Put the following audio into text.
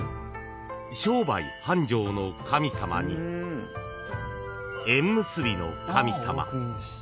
［商売繁盛の神様に縁結びの神様］